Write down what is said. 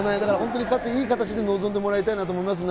いい形で臨んでもらいたいと思いますね。